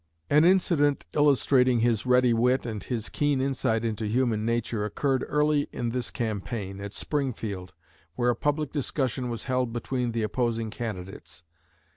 An incident illustrating his ready wit and his keen insight into human nature occurred early in this campaign, at Springfield, where a public discussion was held between the opposing candidates.